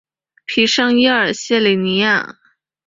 圣皮耶尔谢里尼亚。